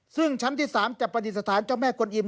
ซึ่งชั้นที่๓จะปฏิสถานเจ้าแม่กวนอิ่